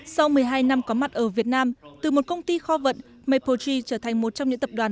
sau một mươi hai năm có mặt ở việt nam từ một công ty kho vận mapochi trở thành một trong những tập đoàn